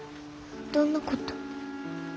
どんなこと？